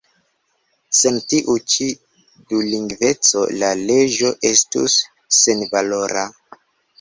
Sen tiu ĉi dulingveco la leĝo estus senvalora.